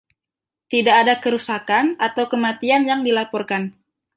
Tidak ada kerusakan atau kematian yang dilaporkan.